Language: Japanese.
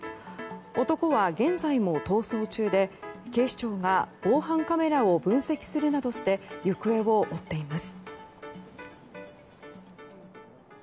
男は現在も逃走中で警視庁が防犯カメラを分析するなどして行方を追っています。